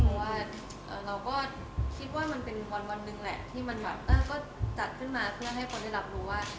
เพราะว่าเราก็คิดว่ามันเป็นวันหนึ่งแหละที่มันแบบก็จัดขึ้นมาเพื่อให้คนได้รับรู้ว่า